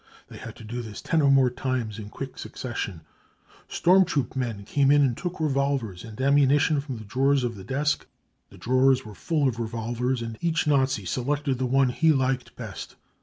They had to do this ten or more *^t5?nes in quick succ&sion. £fi Storm troop men came in and took revolvers and am munition from the drawers of the desk. The drawers were full of revolvers and each Nazi selected the one he liked best.